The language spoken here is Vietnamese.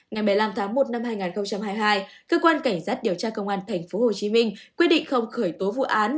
ngày một mươi năm tháng một năm hai nghìn hai mươi hai cơ quan cảnh sát điều tra công an tp hcm quyết định không khởi tố vụ án